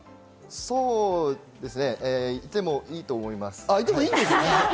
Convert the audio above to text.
そうですね、いてもいいと思います。